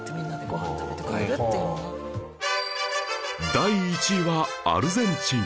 第１位はアルゼンチン